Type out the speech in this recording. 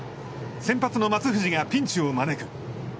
先発の松藤がピンチを招く。